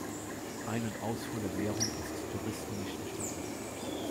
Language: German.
Ein- und Ausfuhr der Währung ist Touristen nicht gestattet.